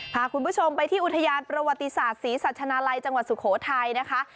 พาคุณผู้ชมไปที่อุทยานประวัติศาสตร์ศรีสัชนาลัยจังหวัดสุโขทัยนะคะ